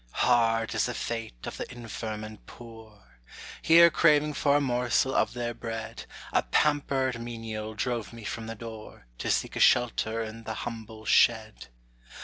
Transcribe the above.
(Hard is the fate of the infirm and poor!) Here craving for a morsel of their bread, A pampered menial drove me from the door, To seek a shelter in the humble shed.